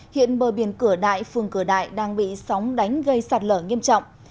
hiện bờ biển cửa đại phường cửa đại đang bị sóng đánh gây sạt lở nghiêm trọng